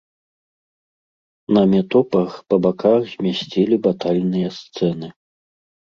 На метопах па баках змясцілі батальныя сцэны.